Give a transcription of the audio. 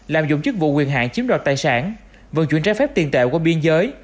làm dụng chức vụ quyền hạn chiếm đoạt tài sản vận chuyển trái phép tiền tệ qua biên giới